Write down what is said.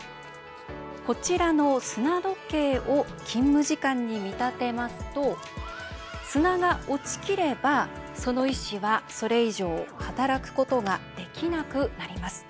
こちらの砂時計を勤務時間に見立てますと砂が落ちきれば、その医師はそれ以上働くことができなくなります。